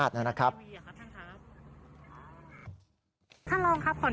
อะไรนะครับท่านครับ